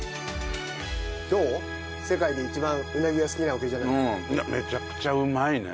世界で一番うなぎが好きなわけじゃない。